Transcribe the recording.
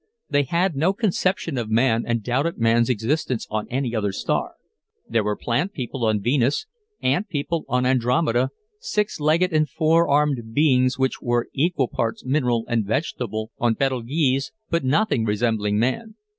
They had no conception of man and doubted man's existence on any other star. There were plant people on Venus, ant people on Andromeda, six legged and four armed beings which were equal parts mineral and vegetable on Betelguese but nothing resembling man.